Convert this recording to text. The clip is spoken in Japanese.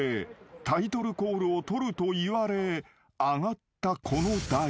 ［タイトルコールを撮るといわれ上がったこの台］